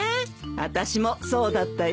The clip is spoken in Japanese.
私もそうだったよ。